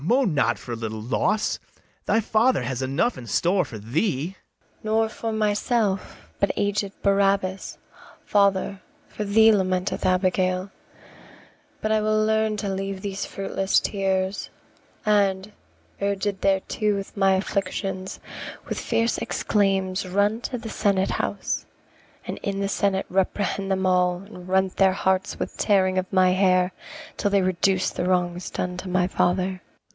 moan not for a little loss; Thy father has enough in store for thee. ABIGAIL. Nor for myself, but aged Barabas, Father, for thee lamenteth Abigail: But I will learn to leave these fruitless tears; And, urg'd thereto with my afflictions, With fierce exclaims run to the senate house, And in the senate reprehend them all, And rent their hearts with tearing of my hair, Till they reduce the wrongs done to my father. BARABAS.